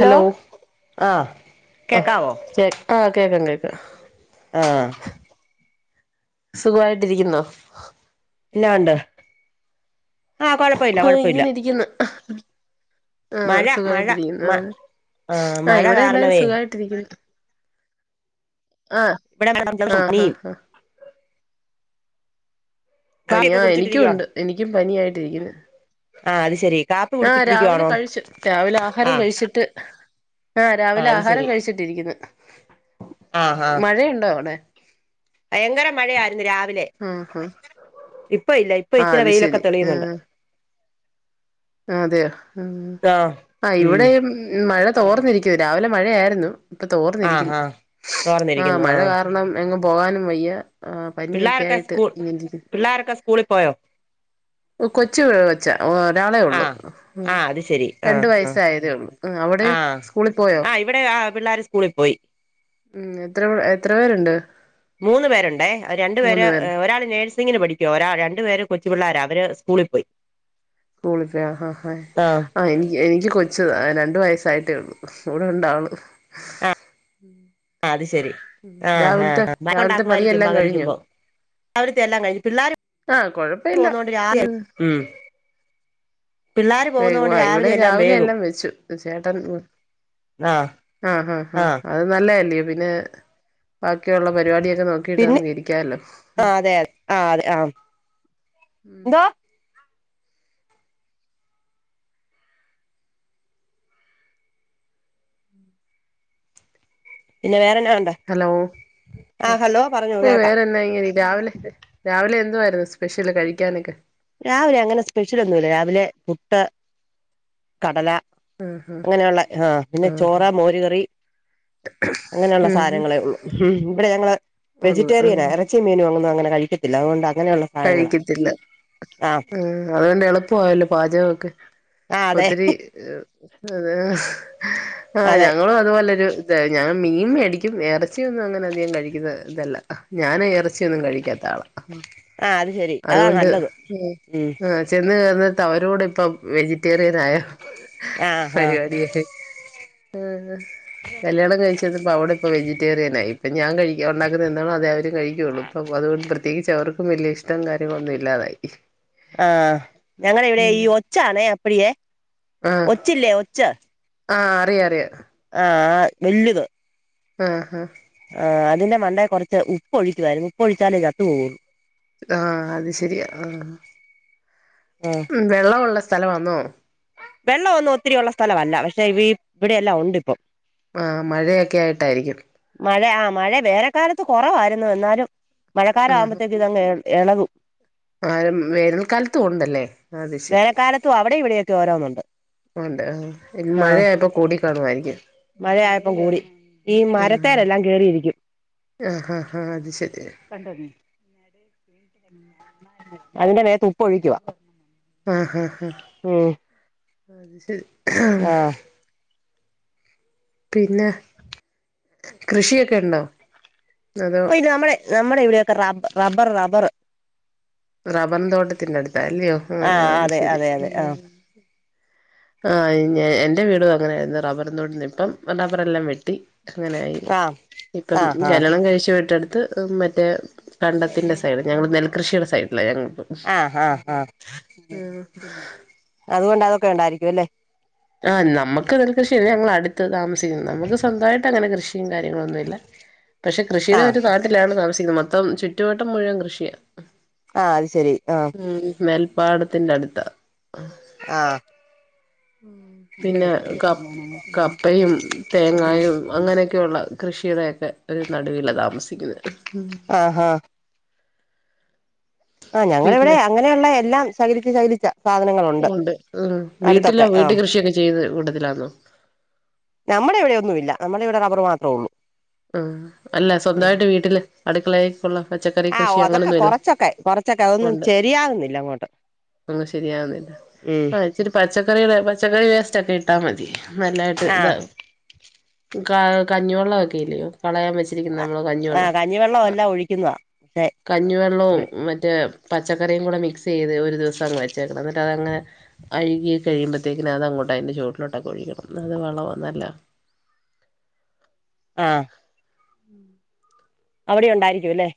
Hello ആഹ് ആ ശരി ആ കേൾക്കൻ കേക്ക ആ സുഖമായിട്ടിരിക്കുന്നോ? എന്നാണ്ട് ആ കൊഴപ്പല്ല ആ കൊഴപ്പമില്ല ഇങ്ങനെ ഇരിക്കുന്നു ആ മഴ മഴ സുഖായിട്ടിരിക്കുന്നു മ ആ ആഹ് മഴ ഇവിടെ എല്ലാരും കാരണവേ സുഖായിട്ടിരിക്കുന്നു ആ ആ ആ [unintelligible] പനി ആ കാപ്പിയൊക്കെ എനിക്കും കുടിച്ചിട്ടിരിക്കുവാണോ ഉണ്ട് എനിക്കും പനി ആയിട്ടിരിക്കുന്നു. ആ അത് ശരി ആ രാവിലെ കഴിച്ചു രാവിലെ ആഹാരം ആഹ് കഴിച്ചിട്ട് ആഹ് രാവിലെ അത് ആഹാരം ശെരി കഴിച്ചിട്ടിരിക്കുന്നു. ആഹ് ആഹ് മഴയുണ്ടോ അവിടെ? ഭയങ്കര മഴയായിരുന്നു രാവിലെ ആ ആ ഇപ്പൊ ഇല്ല ഇപ്പൊ ആ ഇച്ചിരി അത് വെയിലൊക്കെ ശരി തെളിയുന്നുണ്ട്. ആ അതെയോ ആഹ് മ് ഉം ഇവിടെ മഴ തോർന്നിരിക്കൂ. രാവിലെ മഴയായിരുന്നു. ഇപ്പൊ ആഹ് തോർന്നിരിക്കുന്ന് ആഹ് ആഹ് മഴ കാരണം എങ്ങും പോകാനും വയ്യ ആഹ് പനിയൊക്കെ പിള്ളേരൊക്കെ ആയിട്ട് സ്കൂൾ ഇങ്ങനിരിക്കുന്നു. പിള്ളേരൊക്കെ സ്കൂളിൽ പോയോ? കൊച്ചു കൊച്ച ഒരാളേ ഒള്ളു. ആഹ് ഉം ആഹ് അത് ശെരി രണ്ട് ആഹ് ആഹ് വയസായതേ ഉള്ളൂ. അവിടെയോ ആഹ് സ്കൂളിൽ പോയോ? ആഹ് ഇവിടെ ആഹ് പിള്ളേര് സ്കൂളിൽ പോയി ഉം എത്ര എത്ര പേരുണ്ട്? മൂന്നു പേരുണ്ടേ രണ്ടു പേര് ഒരാള് നേഴ്സിങ്ങിന് പഠിക്കുവാ, ഒരാള് രണ്ടുപേരും - കൊച്ചുപിള്ളാരാ അവര് സ്കൂളിൽ പോയി സ്കൂളിൽ പോയി ആഹ് ആഹ് ആഹ് അഹ് എനി എനിക്ക് കൊച്ചു ര രണ്ടു വയസ്സായിട്ടേള്ളു. ഇവിടെ ഉണ്ടാള് ആ അതു ശ ശരി ആ ആ രാവിലത്തെ വഴക്ക് രാവിലത്തെ ക്കൊണ്ടാക്കുമായിരിക്കും പണിയെല്ലാം കഴിഞ്ഞോ പകലിരിക്കുമ്പോ രാവിലത്തെ എല്ലാം കഴിഞ്ഞു പിള്ളേര് ആഹ് കൊഴപ്പ ഇല്ല പോന്നൊണ്ട് രാവിലെ- വ ഇവിടെ രാവിലെ എല്ലാം വെച്ചു. ചേട്ടൻ ആഹ് ആഹ് ഹഹ ആഹ്, അത് നല്ലതേല്ലിയോ പിന്നെ ബാക്കിയുള്ള പരിപാടിയൊക്കെ നോക്കീട്ട് പിന്നെ നമുക്ക് ഇരിക്കാല്ലോ ആഹ് അതെ അതെ ആഹ് അതെ ആഹ് എന്തോ പിന്നെ വേറെ ഹലോ പറഞ്ഞോ ഓ കേക്കാം വേറെന്നാ ഇങ്ങനെ രാവിലെ രാവിലെ എന്തുവായിരുന്നു സ്കൂ സ്പെഷ്യല് കഴിക്കാനൊക്കെ രാവിലെ അങ്ങനെ സ്പെഷ്യൽ ഒന്നുമില്ല രാവിലെ പുട്ട് കടല ആഹ് അങ്ങനെയുള്ള ആഹ് പിന്നെ ആഹ് ചോറ് മോരുകറി അങ്ങനെയുള്ള ഉം സാധനങ്ങളെ ഉള്ളു ഉം ഇവിടെ ഞങ്ങള്- ഉള്ളു ഉം വെജിറ്റേറിയനാ എറച്ചീം മീനുവൊന്നും അങ്ങനെ കഴി വെയ്ക്കത്തില്ല അതുകൊണ്ട് - കഴിക്കത്തില്ല ആഹ് ഉം അതുകൊണ്ടെളുപ്പവാ വായ്യല്ലോ പാചകവൊക്കെ ആഹ് അതെ ഒത്തിരി എ [unintelligible] ആഹ് അതെ ഞങ്ങളും അതുപോലൊരു ഇത ഞാൻ മീൻ മേടിക്കും ഇറച്ചിയൊന്നും അങ്ങനെ അധികം കഴിക്കുന്ന ഇതല്ല ഞാന് ഇറച്ചിയൊന്നും കഴിക്കാത്ത ആളാ ആഹ് അത് ശരി അതാ അതുകൊണ്ട് നല്ലത് ഉം ആ ചെന്ന് കയറ് ത്ത് അവരോട് ഇപ്പം വെജിറ്റേറിയനായോ ആ ഹാ ആ കല്യാണം കഴിച്ചത്പ്പ അവിടെ ഇപ്പൊ വെജിറ്റേറിയൻ ആയി അപ്പ ഞാൻ കഴിക്കാൻ ഉണ്ടാക്കുന്നത് എന്താണോ അതെ ര് കഴിക്യള്ളൂ ഇപ്പം അതുകൊണ്ട് ത്തേച്ച് അവർ പ്പം വല്ല്യ ഇഷ്ടം കാര്യങ്ങളൊന്നും ഇല്ലാതായി ആഹ് ഞങ്ങള ഇവിടെ ഈ ഒച്ചാണേ അപ്പടിയേ ആഹ് ഒച്ചില്ലേ ഒച്ച് ആഹ് അറിയ അറിയ ആഹ് വല്ല്യത് ആ ഹ ആ അതിന്റെ മണ്ടെ കുറച്ച് ഉപ്പ് ഒഴിക്കുവായിരുന്നു ഉപ്പ് ഒഴിച്ചാലെ ചത്ത് പോവൂ ആഹ് അത് ശരിയാ ആഹ് ആഹ് ഉം വെള്ള ഉള്ളെ സ്ഥലം ആന്നോ വെള്ള വൊന്നും ഒത്തിരി യൊള്ള സ്ഥലവല്ല പക്ഷെ ഈ ഇവിടെയെല്ലാം ഉണ്ട് ഇപ്പൊ ആ മഴയൊക്കെ ആയിട്ടായിരിക്കും മഴ ആ മഴ വേനെ കാലത്ത് കുറവായിരുന്നു എന്നാലും ആ മഴക്കാലം ആകുമ്പത്തേക്ക് ഇതങ്ങ് എളകും ആ വേനൽക്കാലത്തു ഉണ്ടല്ലേ അത് ശരി വേനക്കാലത്തും അവിടെയും ഇവിടെയൊക്കെ ഓരോന്നുണ്ട് ഉണ്ട് ആ ആഹ് മഴയായപ്പോ കൂടി കാണുമായിരിക്കും മഴയായപ്പം കൂടി ഈ മരത്തേ ലെല്ലാം കേറിയിരിക്കും ആഹ ആ ആഹ അത് ശരി കണ്ട നീ അതിന്റെ മേത്ത് ഉപ്പ് ഒഴിക്കുവ ആഹഹ അത് ശരി ഉഹ ആഹ് പിന്നെ കൃഷിയൊക്കെ ഇണ്ടോ ഇപ്പൊ ഈ നമ്മെളെ നമ്മുടെ ഇവിടെയൊക്കെ റബ് റബർ റബറ് റബറിൻ തോട്ടത്തിന്റടുത്താ അല്ലയോ ആ ആഹ് ആ അത് അതെ ശരി അതെ അതെ ഉം ആഹ് ആയ് ഞാ എന്റെ വീടും അങ്ങനായിരുന്നു റബ്ബർതോട്ടിന്റെ ഇപ്പം റബ്ബറെല്ലാം വെ ട്ട് അങ്ങനായി ആഹ് ഇപ്പം ആഹ് ആഹ് കല്യണം കഴിച്ചു വിട്ടടു അത് മറ്റേ കണ്ടത്തിന്റെ സൈഡ് ഞങ്ങളെ നെൽകൃഷിടെ സൈട് ആഹ് ആഹ് ആ അതുകൊണ്ട് ഒക്കെ ഇണ്ടായിരിക്കും അല്ലെ ആ നമക്ക് നെൽ കൃഷി ഞങ്ങള അടുത്ത് താമസിക്കുന്നു നമക്ക് സ്വന്തമായിട്ട് അങ്ങനെ കൃഷി കാര്യങ്ങള ഒന്നുംല്ല പക്ഷെ കൃഷിയുടെ ആഹ് ഒരു നാട്ടിലാണ് താമസിക്കുന്നത് മം [unintelligible] മപ്പം [unintelligible] ചുറ്റുവട്ടം മുഴുവൻ കൃഷിയ ആ അത് ശെരി ആ നെൽപ്പാടത്തിന്റെ അടുത്ത ആ ഉ പിന്നെ കപ്പയും തേങ്ങായും അങ്ങനെയൊക്കെയുള്ള കൃഷികുടെെ [unintelligible] ഒരു നടുവിലാ താമസിക്കുന്നത് ആഹ് ആഹ് ആ ഞങ്ങള ഇവിടെ പിന്നെ അങ്ങനെയുള്ള എല്ലാം ശകലിച ശകലിച്ച ഉണ്ട് ഉ വീട്ടില വീട്ട ആഹ് കൃഷിയൊക്കെ ചെയ്ത് കൂട്ടത്തിലാന്നോ നമ്മള ഇവിടെ റബർ മാത്രേ ഉള്ളൂ ആഹ് അല്ല ഉം സ്വന്തമായിട്ട് വീട്ടില് അടു ടുക്കള് യുള്ള പച്ചക്കറി ആഹ് ഓ കൃഷി അതൊക്കെ അങ്ങനെയൊന്നും ഇല്ലേ, കൊറച്ചൊക്കെ കൊറച്ചൊക്കെ അതൊന്നും ഉണ്ട് ശരിയാകുന്നില്ല അങ്ങോട്ട് ഒന്നും ശരിയാവുന്നില്ല, ഉം ആഹ് ഇച്ചിരി പച്ചക്കറിയുടെ പച്ചക്കറി വേസ്റ്റ് ഒക്കെ ഇട്ടാ മതി നല്ലായിട്ട് ആഹ് ഇതാകും. ക കഞ്ഞിവെള്ളം ഒക്കെ. [unintelligible] കളയാൻ വെച്ചിരിക്കുന്നു നമ്മള് ആഹ് കഞ്ഞിവെള്ളം കഞ്ഞിവെള്ളം ആഹ് എല്ലാം ഒഴിക്കുന്നതാ പക്ഷെ കഞ്ഞി വെള്ളവും മറ്റേ. പച്ചക്കറിയും കൂടെ മിക്സ് ചെയ്ത് ഒരു ദിവസം അങ്ങ് വെച്ചേക്കണം, എന്നിട്ട് അത് അങ്ങ് അഴുകി കഴിയുമ്പോഴേക്കും അത് അങ്ങോട്ട് അതിൻ്റെ ചുവട്ടിലേക്ക് അങ്ങ് ഒഴിക്കണം, അത് വളം നല്ല. ആഹ് അവിടെ ഇണ്ടായിരിക്കും അല്ലേ.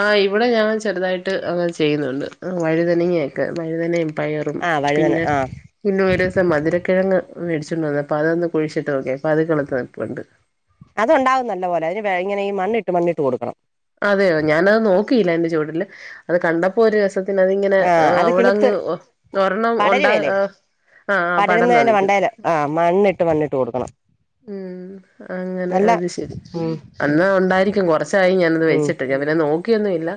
ആഹ് ഇവിടെ ഞാൻ ചെറുതായിട്ട് അങ്ങനെ ചെയ്യുന്നുണ്ട്, ആഹ് വഴുതനങ്ങ ഒക്കെ വഴുതനയും. പയറും ആഹ് വഴുതന പിന്നെ ആഹ് പിന്നെ ഒരു ദിവസം മധുര കിഴങ്ങ് മേടിച്ചോണ്ട് വന്നപ്പോ അതൊന്നും കുഴിച്ചിട്ട് നോക്കി, അപ്പൊ അത് കിളത്ത് നിൽപ്പുണ്ട്. [unintelligible] അത് ഉണ്ടാവും നല്ലപോലെ അതിന് വേലങ്ങിനേയും മണ്ണിട്ട് മണ്ണിട്ട് കൊടുക്കണം. അതെയോ ഞാൻ അത് നോക്കിയില്ല, അതിന്റെ ചുവട്ടിലെ അത് കണ്ടപ്പോ ഒരു രസ. ത്തിന് അത് ഇങ്ങനെ ആഹ് അത് അവിടെ കിളുത്ത് അങ്ങ് ഒരെണ്ണം ഉണ്ടാവുക, പടരുവേലേ ആഹ് ആഹ് പടർന്ന പടരുന്നതിന്റെ നിക്കുന്നത്, മണ്ടേല് ആഹ് മണ്ണിട്ട് മണ്ണിട്ട് കൊടുക്കണം ഉം അങ്ങനെ നല്ല അത് ശരി ഉം അന്നാ ഉണ്ടായിരിക്കും കൊറച്ചായി ഞാൻ അത്. ഉം വെച്ചിട്ട് [unintelligible] നോക്കിയൊന്നും ഇല്ല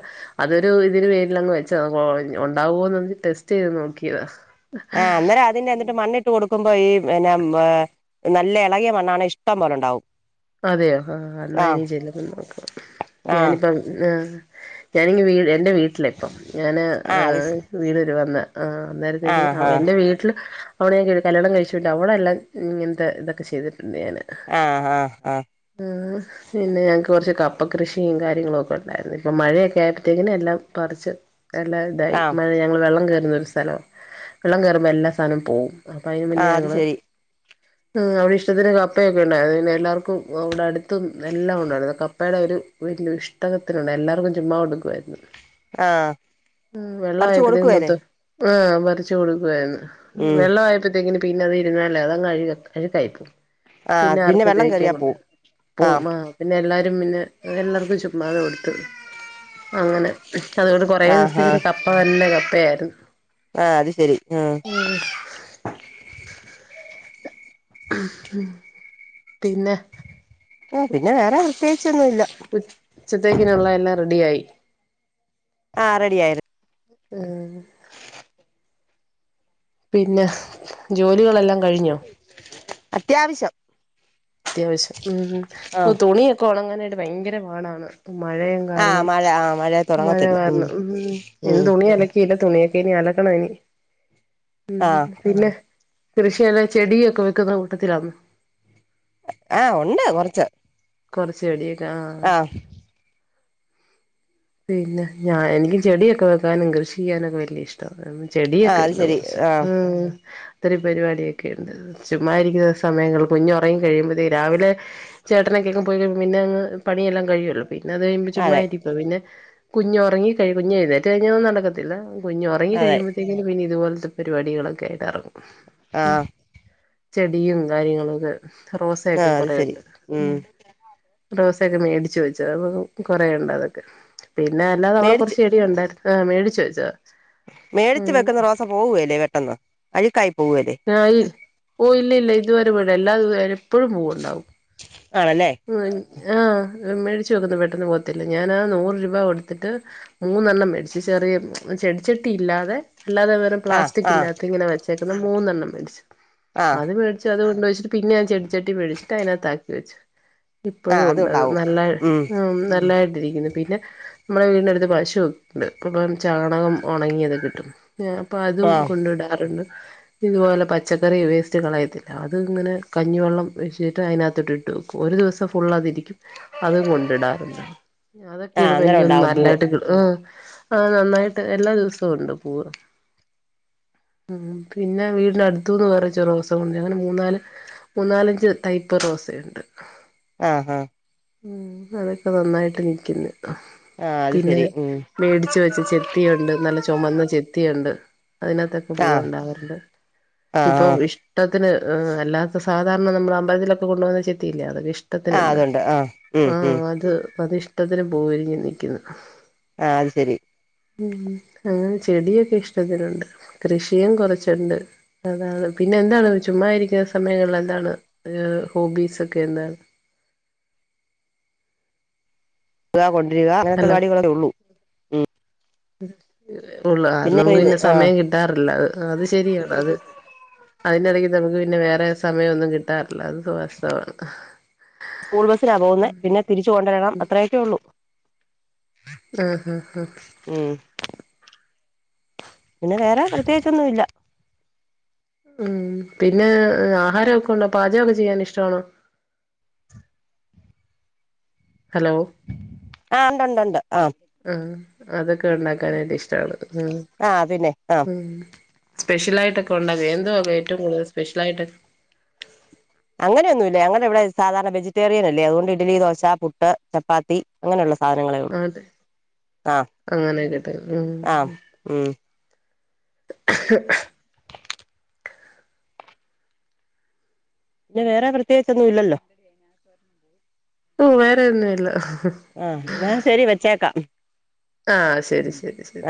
അതൊരു ഇതിന് പേരിൽ അങ്ങവച്ച ഒണ്ടാവുമോന്ന് ടെസ്റ്റ് ചെയ്ത് നോക്കിയതാ- ആ അന്നേരം അതിന് എന്നിട്ട് മണ്ണിട്ട് കൊടുക്കും നക്കുമ്പോ ഈ പിന്നെ നല്ല എളകിയ മണ്ണാണെ ഇഷ്ടം പോലെ ഒണ്ടാവും- അതെയോ ആഹ അന്ന ഇനി ചെല്ലുമ്പം ആഹ് നോക്കണംഞാനിപ്പം ആ ഞാനിങ്ങ് വീഴെ ൻ്റെ വീട്ടിലിപ്പം ഞാനാ ആ ആഹ് അത് വീടരു വന്ന- ആ അന്നേരത്തേക്കിന് ആഹ് ആഹ് എൻറെ വീട്ടില്- അവിടെ ഞാൻ കല്യാണം കഴിച്ചിട് അടെല്ലാം ഇങ്ങനത്തെ ഇതക്കെ ചെയ്തിട്ടണ്ട്ഞാന്- ആ ഹാ ഹാ പിന്നെ ഞങ്ങക്ക് കുറച്ച് കപ്പ കൃഷിയും കാര്യങ്ങളും ഒക്കെ ഒണ്ടായിരുന്നു ഇപ്പ മഴയൊക്കെ ആയപ്പോത്തേക്കിന് എല്ലാം പറിച്ച്- എല്ലാ ഇതായി ആഹ് മഴഞങ്ങള് വെള്ള കേറ് സ്ഥലമാ വെള്ളം കേറുമ്പോ എല്ലാ സാധനവും പോവും- അപ്പ അതിന് ആ മുന്നേ അത് ഞങ്ങള്- ശരി ഉ അവിടെ ഇഷ്ടത്തിന് കപ്പയൊക്കെ ഉണ്ടായിപിന്നെ എല്ലാർക്കും- ക്കും അവിടെ അടുത്തും എല്ലാം ഉണ്ടായിരുന്നു കപ്പയുടെ ഒരു വലിയ ഇഷ്ടകത്തിനുണ്ട് എല്ലാർക്കും ചുമ്മാ കൊടുക്കുവാരുന്ന്- ആഹ പറിച്ച് കൊടുക്കുവേല്ലേ- ആ പറിച്ച് കൊടുക്കുവായിന്ന്- വെള്ളം വായ്പതേക്കിന്- പിന്നെവിരുന്നല്ലേഅതങ്ങ് അഴുക അഴുക്കായിപോകും- ആ പിന്നെ വെള്ളം കേ പൂ മാ പിന്നെ എല്ലാ പിന്നെ എല്ലാർക്കും ചുമ്മാത കൊടുത്ത് അങ്ങനെ- അതുകൊണ്ട് കൊറേ ആ ആ ദിവസങ്ങും കപ്പ തന്നെ കപ്പ് പ്പയായിരുന്നു ആ അത് ശരി ഹ്- പിന്നെ- മ് പിന്നെ വേറെ പ്രത്യേകിച്ചൊന്നുംഇല്ല- ഉച്ചത്തേക്കിനുള്ള എല്ലാം റെഡി ആയി- ആ റെഡി ആയിര് ഹ് പിന്നെ ജോലികളെല്ലാം കഴിഞ്ഞോ- അത്യാവിശം- അത്യാവിശം- ഉം തുണിയൊക്കെഒണങ്ങാനിടു ഭയങ്കര വാണാണ് മഴയും ആ കാരണം മഴ ആ മഴ തുടങ്ങത്തില്ല കാരണം ഉം ഉം ഞൻ ഉം തുണിഅലക്കിയില്ല തുണിയെ ഇനി അലക്കണം ഇനി ഉം ആ ഉം പിന്നെ കൃഷിയല്ലെ ചെടിയൊക്കെ വെക്കുന്ന കൂട്ടത്തിലാന്ന് ആഹ ഉണ്ട് കൊറച്ച് കൊറെച്ചെടി വെ ആഹ് ആ പിന്നെ ഞാ എനിക്ക് ചെടിയൊക്കെ വെക്കാനും കൃഷി ചെയ്യാനൊക്കെ വല്ല്യ ഇഷ്ടവാ ആ ചെടിയൊക്കെ അത് ഉണ്ട് ശരി കുറച്ച് ആ ഉം ഒത്തിരി പരിപാടിയൊക്കെയുണ്ട് ചുമ്മാരിക്കുന്ന സമയങ്ങള് കുഞ്ഞൊറങ്ങികഴിയുമ്പത്തേക്ക് രാവിലെ ചേട്ടനൊക്കെയങ്ങ് പോയികഴിയുമ്പോ പിന്നങ്ങ് പണിയെല്ലാം കഴിയൂല്ലോ പിന്നെ അത് കഴിയുംമ്പോ അതെ ചുമ്മായിരിപ്പ പിന്നെ കുഞ്ഞു ഉറങ്ങി കഴി കുഞ്ഞെഴുന്നേറ്റഴിഞ്ഞാ ഒന്നും നടക്കത്തില്ല കുഞൊറങ്ങി അതെ കഴിയുംബത്തേക്കിനും പിന്നെ ഇതു പേലെ പരിപാടികളൊക്കെ ഏതാറേ ആഹ് ചെടിയും കാര്യങ്ങളൊക്കെ ആ റോസയൊക്കെ അത് ശരി കൊറെയുണ്ട് ഉം റോസയൊക്കെ മേടിച്ച് വെച്ചതാ അപം കൊറെയുണ്ട് അതൊക്കെ പിന്നെ അല്ലാതെ അവടെ മേടിച്ച് കൊറച്ച്ചെടി യുണ്ടാര് ആഹ് മേടിച്ച് വച്ച ച്ചാ മേടിച്ച് വെക്കുന്ന റോസ പോവേല്ല പെട്ടന്ന് അഴ്ക്കായി ആഹ് ഇ ഓഹ ഇല്ല ഇല്ല ഇതുവരെ ഇബേടല്ല ല്ലാതെ വരെ എപ്പോഴും പൂവുണ്ടാവും ആണല്ലേ ഉം എൻ ആഹ് ആ മേടിച്ചു വെക്കുന്ന പെട്ടന്ന് പോകത്തില്ല ഞാനാ നൂറ് രൂപ കൊടുത്തിട്ട് മൂന്നെണ്ണം മേടിച്ച് ചെറിയത് ചെടിച്ചട്ടി ഇല്ലാതെ ല്ലാതെ വെറും ആ പ്ലാസ്റ്റിക്ക്‌ ആ ഇല്ലാത്ത ഇങ്ങനെ വെച്ച് തേക്ക്ന്നം മൂന്നെണ്ണം മേടിച് ആ അത് മേടിച്ച അത് വെച്ചിട്ട് പിന്നെ ഞാൻ ചെടിച്ചട്ടിമേടിച്ചിട്ട് അതിനകത്താക്കി വെച്ച് ആ ഇപ്പഴും ഉണ്ടത് അതുണ്ടാവും നല്ലേയ് ഉം നല്ലേയ് ഇരിക്ക്ന്ന് പിന്നെ മ്മളെ വീടിന്റെ അടുത്ത് പശുക്കണ്ട് അപ്പം ചാണകം ഒണങ്ങിയത് ക്കിട്ടും ഞാ അപ്പ അതും ആ കൊണ്ടിടാറ്ണ്ട് ഇതുപോലെ പച്ചക്കറി വേസ്റ്റ് കളയത്തില്ല അത് ങ്ങനെ കഞ്ഞിവെള്ളം ഒഴിച്ചിട്ട് അയ്നാത്ത്ട്ട്ട്ട് വെക്കും ഒരു ദിവസം ഫുള്ള് അതിരിക്കും അതും കൊണ്ടിടാറുണ്ട് ആഹ് അതൊക്കെടുമ്പോ അന്നേരം എനിക്ക് തോനുന്നു ഉണ്ടാവും പൂവ് നല്ലയിട്ട് കിട്ടും ആ ആ നന്നായിട്ട് എല്ലാ ദിവസവു ഉണ്ട് പൂവ് ഉം പിന്നെ വീടിന് അടുത്തൂന്ന് വറിച്ച റോസ ഒണ്ട് അങ്ങനെ മൂന്നാല് മൂന്നാലഞ്ച് ടൈപ്പ് റോസയുണ്ട് ആ ഹാ ഉം അതൊക്കെ നന്നായ്ട്ട് നിക്ക്ന്ന് ആഹ് അത് പിന്നെ ശരി ഉം മേടിച്ച് വെച്ച്ചെ ത്തിയുണ്ട് നല്ല ചൊമന്ന ചെത്തിയുണ്ട് അയ്‌നാത്തൊക്കെ ആഹ് പൂവൊണ്ടാകാറ്ണ്ട് ആഹ് ഇപ്പം ആഹ് ഇഷ്ട ത്തിന് ഉം അല്ലാത്ത സാധാരണ നമ്മള് അമ്പൽതിലൊക്കെ കൊണ്ടു പോന്ന ചെത്തിയില്ലെ അതൊക്കെ ഷ് ആഹ് ട്ടത്തിന്ണ്ട് അതുണ്ട് ആഹ് ഉം ഉം ആഹ് അത് അതിഷ് ട്ടത്തിന് പൂവിരിഞ്ഞ് നിക്ക്ന്ന് ആഹ് അത് ശരി ഉം അങ്ങനെ ചെടിയൊക്കെ ഇഷ്ടത്തിനൊണ്ട് കൃഷിയും കൊറച്ച്ണ്ട് അതാണ് പിന്നെന്താണ് ചുമ്മാ ഇരിക്കാൻ സമയങ്ങൾ എന്താണ് ഏ ഹോബീസ് ഒക്കെ എന്തണ് ഹലോ [unintelligible] [unintelligible] ഉം [unintelligible] എ ഉള്ളോ പിന്നെ [unintelligible] ഇപ്പ ഇത് ന്നെ ആഹ് സമയം കിട്ടാറില്ല അത് ശരിയാണ് അത് അയ്ൻ്റെടക്ക് നമുക്ക് പിന്നെ വേറെ സമയൊന്നും കിട്ടാർല്ല [unintelligible] സ്കൂൾ ബസ്സിനാ പോന്നെ പിന്നെ തിരിച്ചു [unintelligible] അത്രെയക്കെ ഒള്ളു ആഹ് ഹ ഹ ഉം പിന്നെ വേറെ പ്രത്യേയിച്ചൊന്നു ഇല്ല ഉം പിന്നെ എ ആഹാരൊക്കണ്ടൊ പജോക്കെ ചെയ്യാൻ ഇഷ്ടവാണോ ഹലോ ആഹ് ഉണ്ട് ഉണ്ട് ഉണ്ട് ആഹ് ആഹ് അതൊക്കെ ഒണ്ടാക്കാനായ്റ്റ് ഇഷ്ടാണ് അഹ് ആഹ് പിന്നെ ആഹ് ഉം സ്പെഷ്യൽ ആയിട്ടൊക്കെ ഒണ്ടാകൊ എന്തുവ ഏറ്റവും കൂടുതൽ സ്പെഷ്യൽ ആയിട്ട് അങ്ങനെയൊന്നുല്ല ഞങ്ങടെ ഇവിടെ സാധാരണ വെജിറ്റേറിയൻ അല്ലേ അതോണ്ട് ഇഡ്ലി ദോശ പുട്ട് ചപ്പാത്തി അങ്ങനെയുള്ള സ അതെ അങ്ങനെയൊക്കെ ത ഉം ആഹ് ഉം പിന്നെ വേറെ പ്രത്യേച്ചൊന്നു ഇല്ലല്ലൊ ഓ വേറെ ഒന്നുല്ല ആ ന്ന ശരി വച്ചേക്കാം ആഹ് ശരി ശരി ശരി